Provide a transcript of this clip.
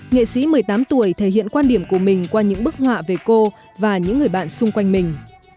nghệ sĩ một mươi tám tuổi thể hiện quan điểm của mình qua những bức họa về cô và những người bạn xung quanh mình